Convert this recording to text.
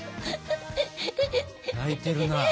泣いてるな。